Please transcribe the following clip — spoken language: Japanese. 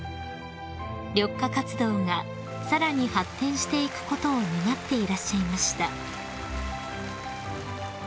［緑化活動がさらに発展していくことを願っていらっしゃいました］